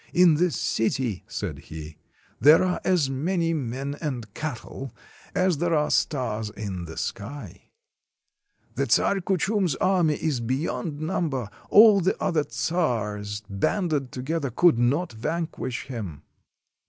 In this city," said he, "there are as many men and cattle as there are stars in the sky. The Czar Kuchum's army is beyond number; all the other czars banded together could not vanquish him."